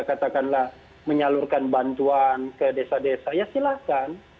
katakanlah menyalurkan bantuan ke desa desa ya silahkan